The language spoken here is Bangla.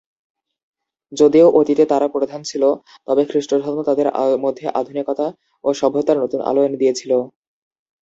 যদিও অতীতে তারা প্রধান ছিল, তবে খ্রিস্টধর্ম তাদের মধ্যে আধুনিকতা ও সভ্যতার নতুন আলো এনে দিয়েছিল।